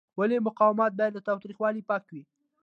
ولې مقاومت باید له تاوتریخوالي پاک وي؟